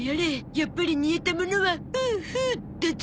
やっぱり煮えたものはふうふうだゾ。